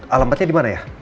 alamatnya di mana ya